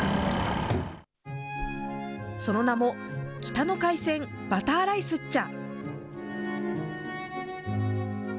その名も、北の海鮮バターライスっちゃ。